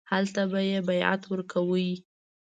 هلته به یې بیعت ورکاوه.